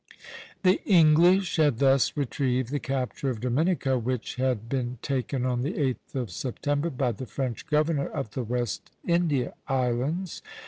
The English had thus retrieved the capture of Dominica, which had been taken on the 8th of September by the French governor of the West India Islands.